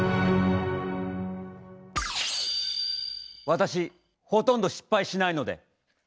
私ほとんど失敗しないので。